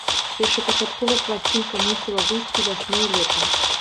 Першапачаткова пласцінка мусіла выйсці вясной-летам.